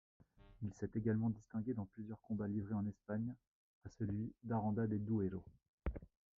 Il s'est également distingué dans plusieurs combats livrés en Espagne à celui d'Aranda-de-Duero.